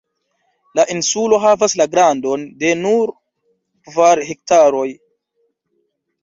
La insulo havas la grandon de nur kvar hektaroj.